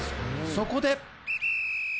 そこで！